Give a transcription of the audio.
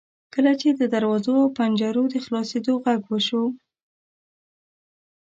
کله چې د دروازو او پنجرو د خلاصیدو غږ وشو.